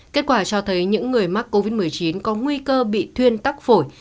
kết quả cho thấy những người mắc covid một mươi chín có nguy cơ bị thuyên tắc phổi